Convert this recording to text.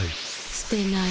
すてない。